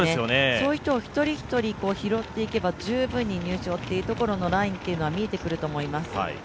そういう人を一人一人拾っていけば、十分に入賞というところのラインは見えてくると思います。